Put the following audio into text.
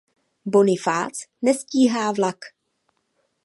Bonifác nestíhá vlak.